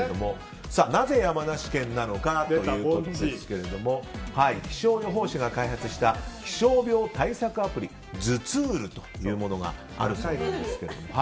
なぜ山梨県なのかということですけども気象予報士が開発した気象病対策アプリ「頭痛ーる」というものがあるそうなんです。